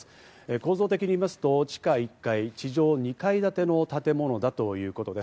構造的に見ますと地下１階地上２階建ての建物だということです。